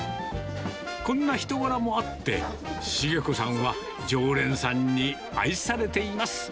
こんな人柄もあって、重子さんは常連さんに愛されています。